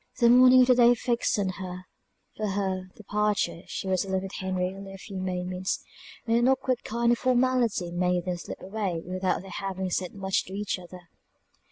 The morning of the day fixed on for her departure she was alone with Henry only a few moments, and an awkward kind of formality made them slip away without their having said much to each other.